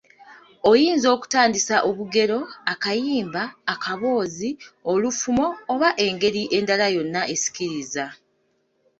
Oyinza okutandisa obugero, akayimba, akaboozi, olufumo oba engeri endala yonna esikiriza.